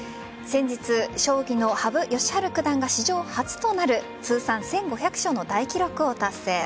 先日、将棋の羽生善治九段が史上初となる通算１５００勝の大記録を達成。